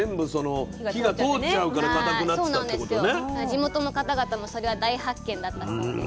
地元の方々もそれは大発見だったそうです。